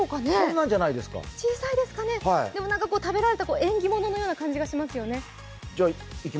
小さいですかね、でも食べられたら縁起物のような感じがしますよね。